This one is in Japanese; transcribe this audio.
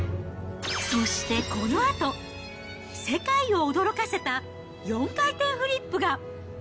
そしてこのあと、世界を驚かせた４回転フリップが。